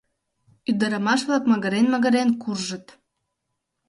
Ӱдырамаш-влак магырен-магырен куржыт.